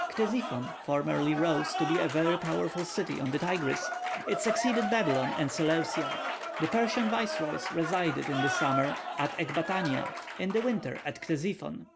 Ctesiphon formerly rose to be a very powerful city on the Tigris; it succeeded Babylon and Seleucia; the Persian viceroys resided in the summer at Ecbatania, in the winter at Ctesiphon.